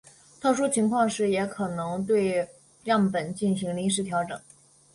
特殊情况时也可能对样本进行临时调整。